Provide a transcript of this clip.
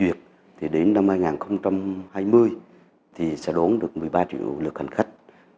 đến năm hai nghìn hai mươi sẽ đốn được một mươi ba triệu lượt hành khách